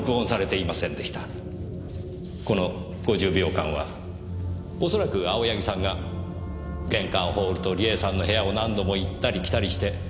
この５０秒間は恐らく青柳さんが玄関ホールと梨絵さんの部屋を何度も行ったり来たりして割り出したものでしょう。